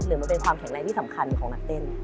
หรือมันเป็นความแข็งแรงที่สำคัญของนักเต้น